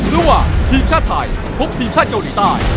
ระหว่างทีมชาติไทยพบทีมชาติเกาหลีใต้